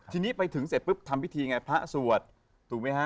ทีนี้ไปถึงเสร็จปุ๊บทำพิธีไงพระสวดถูกไหมฮะ